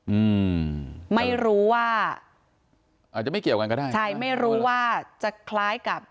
อืมไม่รู้ว่าอาจจะไม่เกี่ยวกันก็ได้ใช่ไม่รู้ว่าจะคล้ายกับ